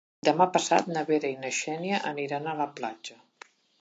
Demà passat na Vera i na Xènia aniran a la platja.